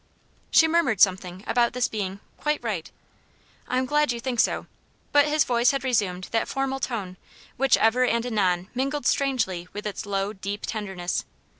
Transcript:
She murmured something about this being "quite right." "I am glad you think so." But his voice had resumed that formal tone which ever and anon mingled strangely with its low, deep tenderness.